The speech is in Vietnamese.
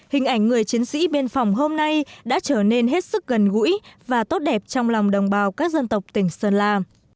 hình ảnh người chiến sĩ biên phòng hôm nay đã trở nên hết sức gần gũi và tốt đẹp trong lòng đồng bào các dân tộc tỉnh sơn la